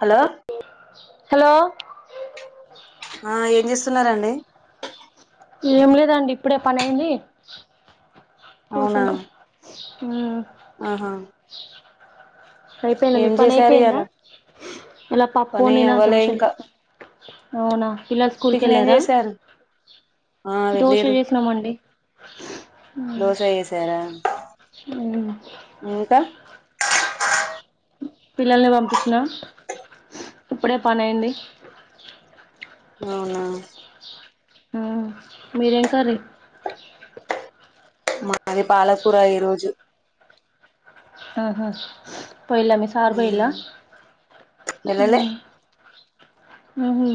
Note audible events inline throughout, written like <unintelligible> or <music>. Hello hello ఏం లేదండి ఇప్పుడే పని అయింది కూర్చున్నము ఆహా అయిపోయిందా మీ ఏం పని చేశారు అయిపోయిందా ఇయాల ఇలా పప్పు పని ఒండినా అవ్వలే ఇంకా దోషలేస్త అవునా పిల్లలు టిఫిన్ ఏం స్కూల్కెళ్ళారా చేశారు ఆ వెల్లిర్రు దోశ ఏసార మ్మ్ ఇంకా పిల్లల్ని పంపించిన ఇప్పుడే పనయింది అవునా ఉమ్ మీదేం కర్రీ మాది పాలకూర ఈ రోజు ఆహా పోయిల్ల మీ సార్ బోయిల్లా వెళ్ళలే ఉహూ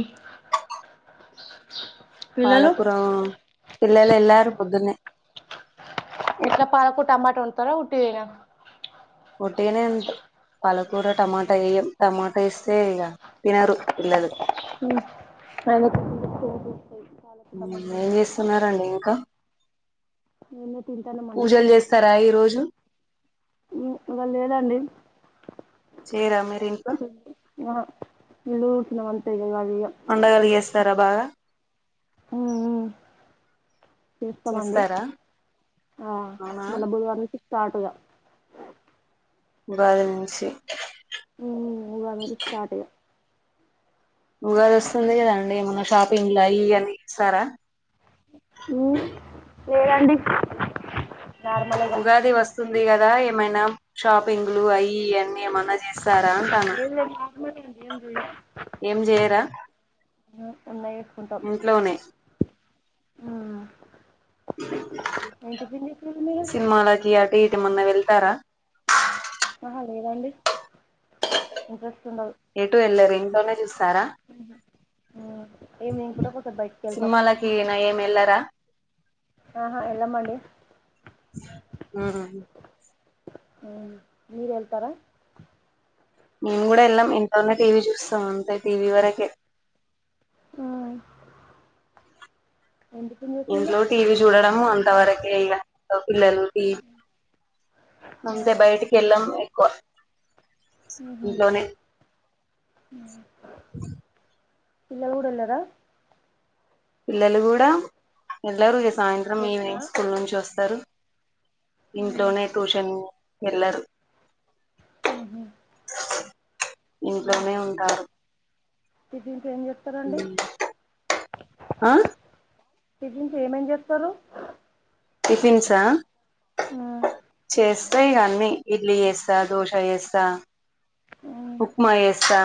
పాలకుర పిల్లలు ఎల్లారు పొద్దున్నే ఏట్లా పాలకు టమాట ఒండతరా ఉట్టిదేనా ఉట్టిగానె ఒండ్తా పాలకూర టమాటా ఏయన్ టమాటా ఏస్తే ఇగ తినరు పిల్లలు అ <unintelligible> ఏం చేస్తున్నరండి ఇంకా మేమే తింటాన్నామండి పూజలు చేస్తారా ఈరోజు. ఉ ఇవాళ లేదండి చేయరా మీరు ఇంట్లో ఆహ ఇల్లు ఊడ్చిన అంతే ఇక అది ఇక పండగలు చేస్తారా బాగా ఉ ఉ చేస్తామండి చేస్తారా ఆ అవునా మళ్ళ బుధవారం కి స్టార్ట్ ఇగ బ్యాలెన్సింగ్. ఉమ్ ఉగాది నుంచి స్టార్ట్ ఇగ ఉగాది వస్తుంది కదాండి ఏమన్నా షాపింగ్ లా అయి ఇయి చేసరా. ఉ లేదండి. నార్మల్గా ఉగాది వస్తుంది కదా ఏమైనా షాపింగ్. అయి అన్నీ ఏమన్న చేస్తారా అంటాన లేదు లేదు నార్మలే అండి ఏం ఏం చేయరా. ఉమ్ ఉన్నాయే ఇంట్లోనే ఆ మీరు సినిమాలకి అటు ఇ ఏమన్న వెళ్తారా. ఆహా లేదండి ఆహ ఎటు వెళ్ళరు ఇంట్లోనే చూస్తారా. ఈవినింగ్ పూట కొంచెం బయటికి వెళ్తాం సినిమాలకి నా ఏం వెళ్లారా. ఆహా ఎల్లమండి. ఉమ్ మీరు వెళ్తారా. మేము కూడా వెళ్ళం ఇంటలోనే టీవీ చూస్తాం. అంతే టీవీ వరకే. మ్! ఇంట్లో టీవీ చూడడం అంత వరకే ఇగ. పిల్లలకి అంతే బయటికి వెళ్ళం ఎక్కువ. ఉహు! ఇంట్లోనే పిల్లలు కూడా వెళ్లారా? పిల్లలు కూడా వెళ్లారు. ఇక సాయంత్రం వెళ్ళారా ఈవినింగ్ స్కూల్ నుంచి వస్తారు. ఇంట్లోనే ట్యూషన్. వెళ్లరు. ఉ హు. ఇంట్లోనే ఉంటారు. ఇది ఆ టిఫిన్స్ ఏమేమి చేస్తారు? టిఫిన్సా? చేస్తా ఇగ అన్నీ. ఇడ్లీ చేస్తా, దోశ చేస్తా. ఉప్మా చేస్తా.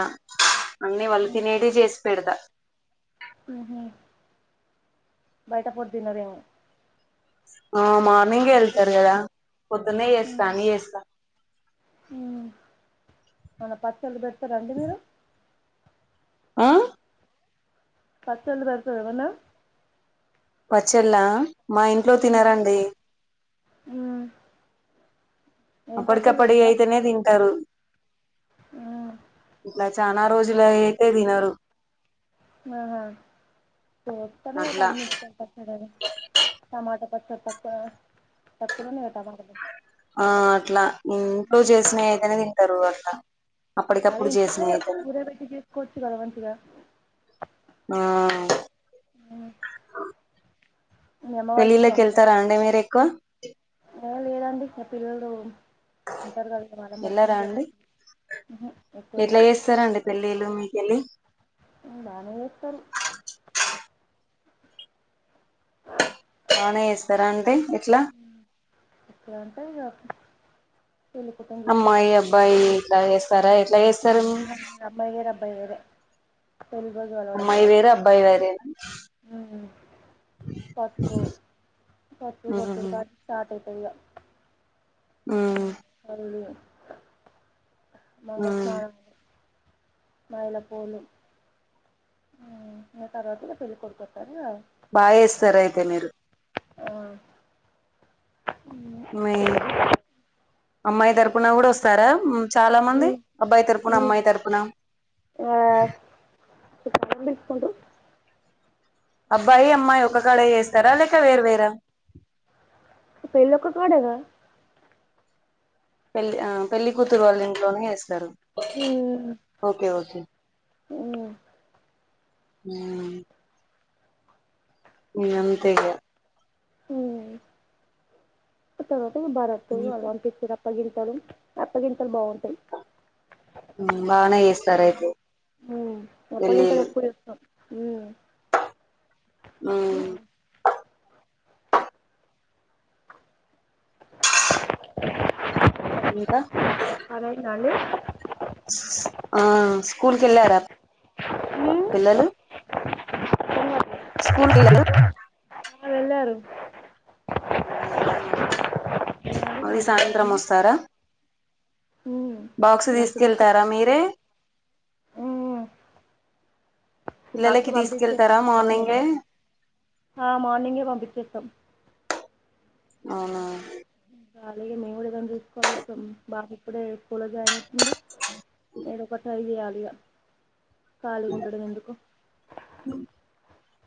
అన్నీ వాళ్ళు తినేటివి చేసి పెడతా. మ్ హు బయట ఫుడ్ తినరేమో. ఆ మార్నింగే వెళ్తారు కదా. పొద్దున్నే చేస్తా, అన్నీ చేస్తా. ఉ ఏమన్నా పచ్చళ్ళు పెడతారండి మీరు? ఆ పచ్చళ్ళు పెడతారా ఏమన్నా? పచ్చల్లా మా ఇంట్లో తినరండి. మ్ అప్పటికప్పటి అయితేనే తింటారు. నచ్చి చానా రోజులువి అయితే తినరు. ఆహా! చేస్తానే అట్లా పండు మిరపకాయ పచ్చడనీ, టమాట తక్కువ తక్కువ తక్కువనే ఉన్నాయిగా టమాటాలు. ఆ అట్ల, ఇంట్లో చేసినయి అయితేనే తింటారు అట్ల. అదే ఇంట్లనే ఊరబేట్టి చేసుకోవచ్చు గదా మంచిగా. ఆ ఆ <unintelligible> మీ అమ్మ వాళ్ళు చేసి పెళ్ళిల్లకి పంపుతారా వెళ్తారా అండి మీరు ఎక్కువ? ఏ లేదండి ఇగ్ పిల్లలు ఉంటారు గదా వాళ్లను పట్టుకొనె సరిపోతాది. ఎట్ల చేస్తారండి పెళ్ళిళ్ళు మీకెళ్ళి. ఉ బానే చేస్తరు. <unintelligible> బానే చేస్తారండి ఎట్ ఎట్లంటే ఇగ అమ్మాయి అబ్బాయి ఇట్ల చేస్తారా ఎట్లా చేస్తారు? ఎవరు? అమ్మాయి వేరు. అబ్బాయి వేరే. పస్పు పస్పు కొట్టుడు ఉహు కాంచి స్టార్ట్ అయితదిగ. మ్! ఉమ్ మంగళస్నానామ్ మైలపూలు. ఉ ఇగ తర్వాత ఇగ పెళ్ళి కొడుకుకొత్తాడిగ బాగ్ చేేస్తారయితే మీరు. ఆవును. మీ అమ్మాయి తరుపున కూడా వస్తారా మ్. చాలా మంది ఉమ్, అబ్బాయి తరుపున ఉమ్, అమ్మాయి తరుపున ఆ, <unintelligible> అబ్బాయి అమ్మాయి ఒక కాడే చేస్తారా లేక వేర్వెరా పెళ్ళొక కాడేగ పెళ్ళి ఆ పెళ్లి కూతురు వాళ్ళింట్లోనే చేస్తరు. మ్మ్ ఓకే ఓకే మ్ మీ అంతేగా మ్ ఆ తర్వాత ఇగ భరత్ ఉమ్, వాళ్ళు పంపించేట అప్పగింతలు అప్పగింతల్ బాగుం బానే చేస్తరైతే పెళ్ళిలు హ్మ్ మ్ ఇంకా హలో నాని ఆ స్కూల్కెళ్ళారా ఉమ్ పిల్లలు స్కూల్ <inaudible> లేదు ఆ వెళ్ళారు. వెళ్ళారు మరి వాళ్ళు సాయంత్రం పంపించినాం వొస్తారా మ్మ్ బాక్స్ లంచ్ బాక్స్ తీస్కెళ్తారా మీరే మ్మ్ బాక్స్ పిల్లలకి తీసుకెళ్తారా పంపించేస్తా మార్నింగే ఆ మార్నింగే పంపించేస్తాం. అవునా ఇంకా అలాగే మేం గుడా ఏదన్న చూస్కోవాలిగ బాబ్ ఇప్పుడే స్కూల్లో జాయిన్ అయితుంది. ఏదో ఒకట్ ట్రై చేయాలిగా కాలిగుండడం ఎందుకు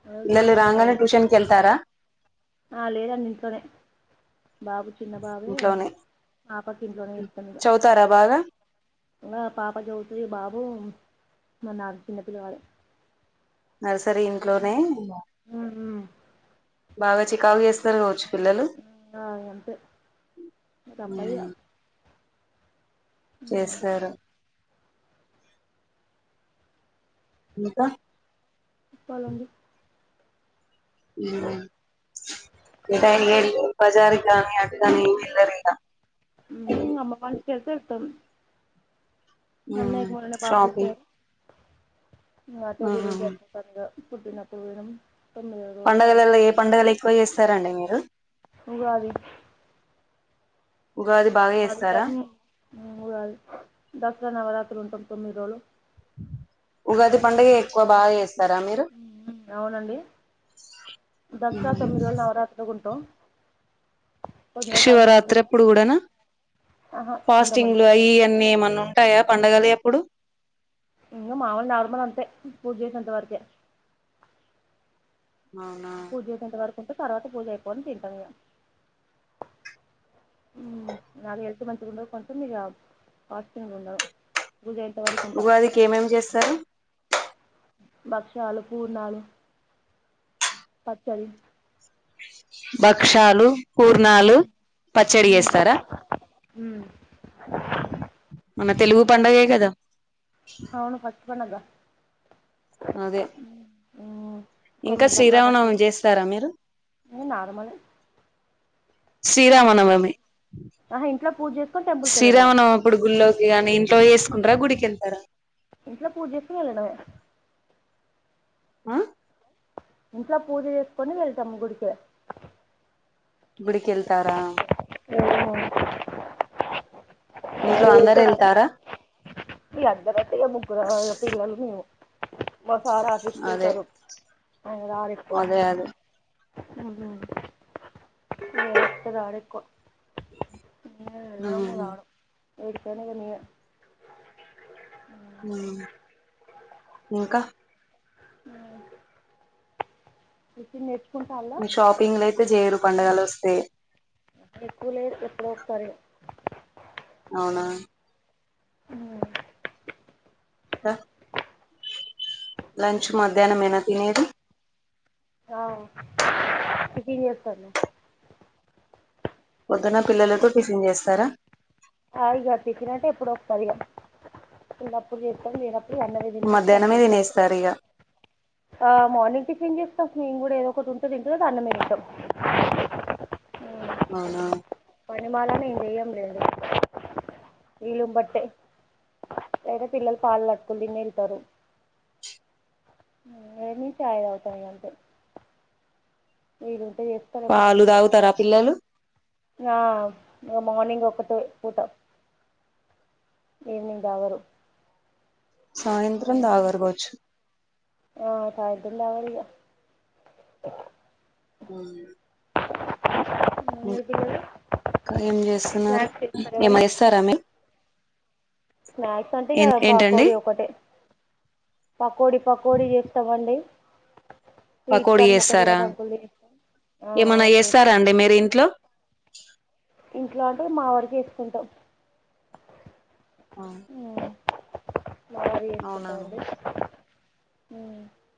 అదే పిల్లలు చూస్తున్నాం ఏదో రాంగనే ఒకటి ట్యూషన్ కెళ్తారా ఆ లేదండి ఇంట్లోనే బాబు చిన్న బాబే ఇంట్లోనే పాపకి ఇంట్లోనే చేప్తం ఇగ చదువుతారా బాగా అ పాప చదువుతది బాబు మనాగ్ చిన్న పిల్లవాడే నర్సరీ ఇంట్లోనే బాగా చికాకు చేస్తరు కావచ్చు. పిల్లలు అంతే తప్పదు ఇక మ్ ఉమ్, చేస్తారా ఇంకా చెప్పాలండి. మ్ <inaudible> బజార్ కాని పిల్లలేం ఇనరిగ ఉమ్, అమ్మ మనిషికి అన్నయకు మొన్ననే బాబ్బుట్టే షాపింగ్ అటే తిరుగుడే <unintelligible> ఇగా పుట్టినప్పుడు పోయినం పండగలల్ల ఏ పండగలు ఎక్కువ చేస్తారండి మీరు ఉగాది. ఉగాది బాగా చేస్తారా? మ్ ఉగాది దసరా నవరాత్రులుంటాం తొమ్మిది రోజులు ఉగాది పండగ ఎక్కువ బాగా చేస్ అవునండి దసరా తొమ్మిది రోజుల నవరాత్రులు టో శివరాత్రి అప్పుడు గుడానా ఆహా ఉండమండి ఫాస్టింగ్లు అయి శివరాత్రి అన్నీ ఏమన్నా ఉంటాయా పండగలి అప్పుడు ఇంగ మామూల్ నార్మల్ అంతే పూజ చేసేంత వరకే ఆ పూజేసేంత వరకుంటే తర్వాత పూజ అయిపోని తింటాం ఇగ మ్ నాకు హెల్త్ మంచిగా ఉండదు కొంచెం ఇగ ఫాస్టింగ్ ఉండను పూజ అయ్యేంత వరకు ఉంటా తరు భక్షాలు పూర్ణాలు పచ్చడి భక్షాలు పూర్ణాలు పచ్చడి మ్మ్. చేస్తారా మ్మ్. మన తెలుగు పండగే కదా అవును ఫస్ట్ పండగ అదే మ్మ్. ఇంకా తొమ్మిది రకాల శ్రీరామనవమి స్వీట్స్. చేస్తారా మీరు ఇంకా నార్మలే శ్రీరామనవమి ఆహా ఇంట్లో పూజ చేసుకొని టెంపుల్కి వెళ్ళడమే శ్రీరామనవమి అప్పుడు గుళ్లో గాని ఇంట్లో చేసుకుంటారా గుడికెళ్తారా ఇంట్లో పూజ చేసుకుని వెళ్లడమే అ ఇంట్లో పూజ చేసుకొని వెళ్తాం గుడికి గుడి కెళ్తారా మ్ ఇంట్లో అందరు ఎళ్తారా ఇగ అందరు అంటే ముగ్గురు పిల్లలు మేవు మా సార్ ఆఫీస్ అదే కెల్తారు ఆయన రారు ఎక్కువ అదే అదే మ్ హూ <unintelligible> రాడు ఎక్కువ ఈన వెళ్లడు మ్మ్ రాడు ఏడికైన ఇగ నేనే మ్ ఇంకా టిఫిన్ చేసి మీ షాపింగ్ లు అయితే చేయరు పండుగలు వస్తే ఎక్కువ లేదు ఎప్పుడో ఒకసారి ఇగ అవునా మ్ కా లంచ్ మధ్యాహ్నం ఏనా తినేది అ టిఫెన్ చేస్తాను పొద్దున పిల్లలతో టిఫెన్ చేస్తారా ఆ ఇక టిఫెన్ అయితే ఎప్పుడో ఒక్కసారి ఇక ఉన్నపుడు చేస్తాము లేనప్పుడు అన్నమే తినిపించి మధ్యాహ్నమే పంపించేస్తాం తినేస్తారు ఇగ ఆ మార్నింగ్ టిఫెన్ చేస్తాం మేము కూడా ఏదో ఒకటి ఉంటే తింటాం లేక అన్నమే తింటాం అవునా పనిమాల నేను చేయను లేండి వీలును బట్టే లేదా పిల్లలు పాలు కట్టుకునిని బిన్నా వెళ్తారు మేము కూడా చాయ తాగుతాం అంతే మీరు పాలు తాగుతారా పిల్లలు ఆ మార్నింగ్ ఒక్కటే పూట ఈవినింగ్ తాగారు సాయంత్రం దాగరు కావచ్చు ఆ సాయంత్రం తాగరు ఇక హ్మ్మ్ మీ పిల్లలు ఇంకా ఏం చేస్తున్నారు స్నాక్స్ చేస్తారా ఏమన్నా చేస్తారా మీరు స్నాక్స్ అంటే ఇకా ఏంటండి పకోడీ ఒక్కటే పకోడి పకోడి చేస్తామండి స్వీట్ పకోడి కార్న్ మొక్కజొన్న చేస్తారా కంకులతో చేస్తాం ఏమన్నా చేస్తారా చేస్తాం అండి ఇంట్లో ఇంట్లో అయితే మా వారికి చేసుకుంటాం ఆ అవునా ఉ